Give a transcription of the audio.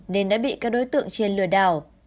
nên đã bị các đối tượng trên lừa đảo